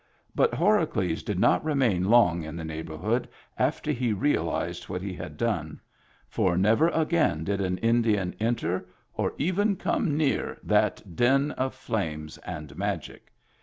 But Horacles did not remain long in the neighborhood after he realized what he had done ; for never again did an Indian enter, or even come near, that den of flames and magic.